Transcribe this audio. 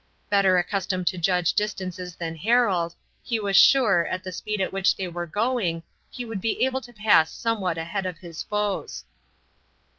Better accustomed to judge distances than Harold, he was sure, at the speed at which they were going, he would be able to pass somewhat ahead of his foes.